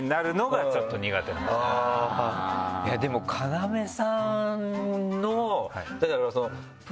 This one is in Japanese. でも要さんの。